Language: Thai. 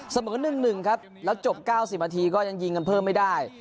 เสมอหนึ่งหนึ่งครับแล้วจบเก้าสิบนาทีก็ยังยิงกันเพิ่มไม่ได้